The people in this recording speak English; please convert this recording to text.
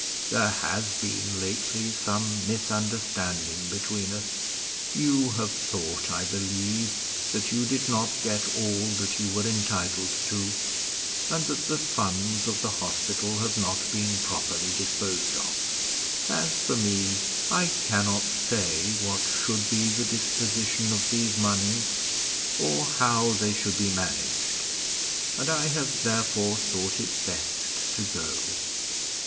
"There has been lately some misunderstanding between us. You have thought, I believe, that you did not get all that you were entitled to, and that the funds of the hospital have not been properly disposed of. As for me, I cannot say what should be the disposition of these moneys, or how they should be managed, and I have therefore thought it best to go."